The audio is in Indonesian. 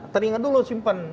telinga dulu simpen